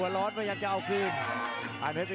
พยายามจะทิ้งด้วยมัดอีก๒